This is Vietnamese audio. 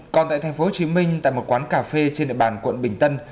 còn tại tp hcm tại một quán cà phê trên địa bàn quận bình tân